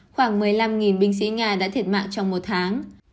khoảng một mươi năm binh sĩ nga đã thiệt mạng trong một tháng